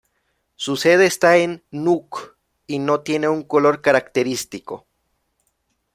Su sede está en Nuuk y no tiene un color característico.